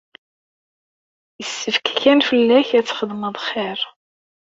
Yessefk kan fell-ak ad txedmeḍ xir.